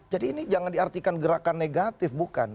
jadi ini jangan diartikan gerakan negatif bukan